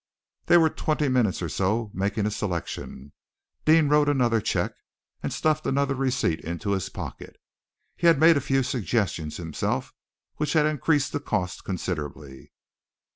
They were twenty minutes or so making a selection. Deane wrote another cheque, and stuffed another receipt into his pocket. He had made a few suggestions himself, which had increased the cost considerably.